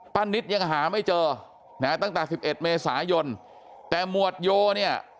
ป้านิตยังหาไม่เจอตั้งแต่๑๑เมษายนแต่หมวดโยเนี่ย